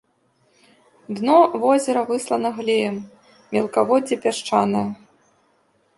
Дно возера выслана глеем, мелкаводдзе пясчанае.